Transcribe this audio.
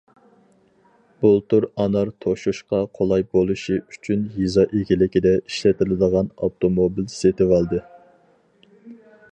بۇلتۇر ئانار توشۇشقا قولاي بولۇشى ئۈچۈن يېزا ئىگىلىكىدە ئىشلىتىلىدىغان ئاپتوموبىل سېتىۋالدى.